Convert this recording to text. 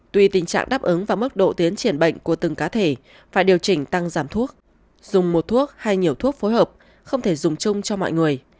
tuy tình trạng đáp ứng và mức độ tiến triển bệnh của từng cá thể phải điều chỉnh tăng giảm thuốc dùng một thuốc hay nhiều thuốc phối hợp không thể dùng chung cho mọi người